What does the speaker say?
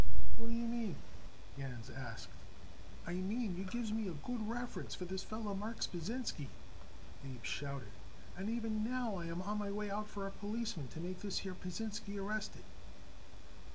"What do you mean?" Gans asked. "I mean you gives me a good reference for this feller Marks Pasinsky," Abe shouted. "And even now I am on my way out for a policeman to make this here Pasinsky arrested."